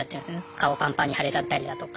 顔ぱんぱんに腫れちゃったりだとか